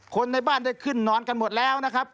คนในบ้านได้ขึ้นนอนกันหมดแล้วนะครับ